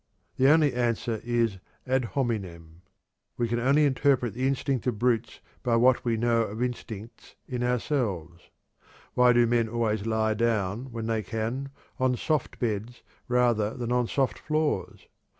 The only answer is ad hominem. We can only interpret the instinct of brutes by what we know of instincts in ourselves. Why do men always lie down, when they can, on soft beds rather than on soft floors?